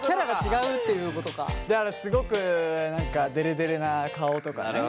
だからすごく何かデレデレな顔とかね。